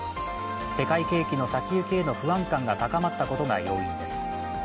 世界景気の先行きへの不安感が高まったことが原因です。